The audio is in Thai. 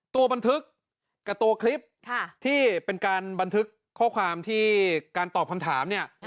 ตัวบันทึกกับตัวคลิปที่เป็นการบันทึกข้อความที่การตอบคำถามเนี่ย